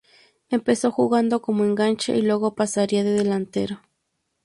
Empezó jugando como enganche y luego pasaría de delantero.